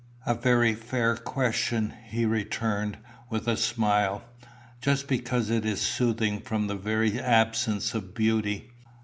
"A very fair question," he returned, with a smile. "Just because it is soothing from the very absence of beauty.